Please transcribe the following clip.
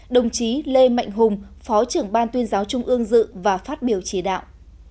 đồng chí lê mạnh hùng phó trưởng ban tuyên giáo trung ương dự và phát biểu chỉ đạo